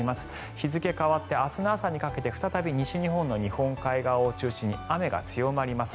日付が変わって明日の朝にかけて再び西日本の日本海側を中心に雨が強まります。